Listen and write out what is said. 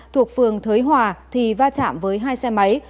thuộc phường thới hòa thì va chạm với hai xe máy